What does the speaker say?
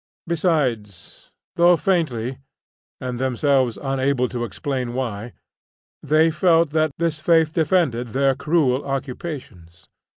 Besides, though faintly (and themselves unable to explain why), they felt that this faith defended their cruel occupations.